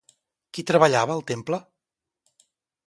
Qui treballava al temple?